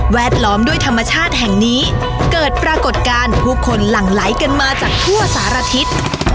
ล้อมด้วยธรรมชาติแห่งนี้เกิดปรากฏการณ์ผู้คนหลั่งไหลกันมาจากทั่วสารทิศ